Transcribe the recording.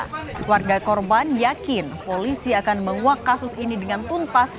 keluarga korban yakin polisi akan menguak kasus ini dengan tuntas